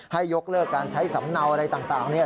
ให้ยกเลิกการใช้สำเนาอะไรต่างเนี่ย